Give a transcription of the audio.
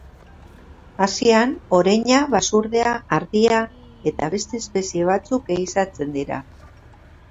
Asian, oreina, basurdea, ardia eta beste espezie batzuk ehizatzen dira.